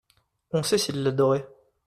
On sait s'il l'adorait.